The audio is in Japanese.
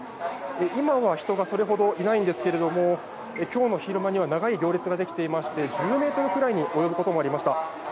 今は人がそれほどいないんですけれども今日の昼間には長い行列ができていて１０ｍくらいに及んでいました。